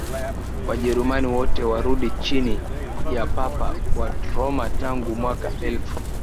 Wajerumani wote warudi chini ya Papa wa Roma Tangu mwaka elfu